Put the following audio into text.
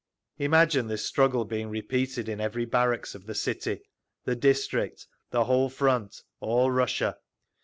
Imagine this struggle being repeated in every barracks of the city, the district, the whole front, all Russia.